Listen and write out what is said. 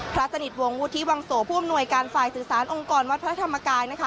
พระสนิทวงศวุฒิวังโสผู้อำนวยการฝ่ายสื่อสารองค์กรวัดพระธรรมกายนะคะ